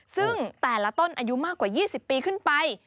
ซึ่งแต่ละต้นอายุมากกว่า๒๐ปีขึ้นไป